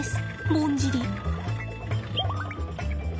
ぼんじり。